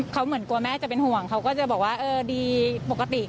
เขาเหมือนกลัวแม่จะเป็นห่วงเขาก็จะบอกว่าเออดีปกติ